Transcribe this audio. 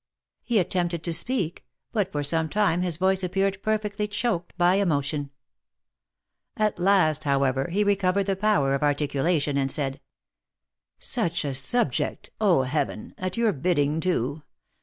He attempted to speak, but for some time his voice appeared perfectly choked by emotion. At last, how ever, he recovered the power of articulation and said, " Such a sub ject !— Oh, heaven !— at your bidding too